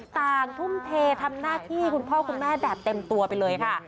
ทุ่มเททำหน้าที่คุณพ่อคุณแม่แบบเต็มตัวไปเลยค่ะ